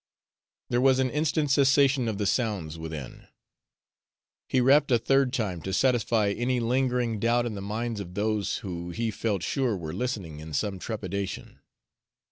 There was an instant cessation of the sounds within. He rapped a third time, to satisfy any lingering doubt in the minds of those who he felt sure were listening in some trepidation.